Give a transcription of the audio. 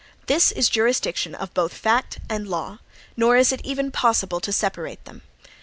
(3) This is jurisdiction of both fact and law; nor is it even possible to separate them.